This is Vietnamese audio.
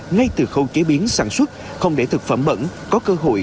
ngay từ khâu chế biến sản xuất không để thực phẩm bẩn có cơ hội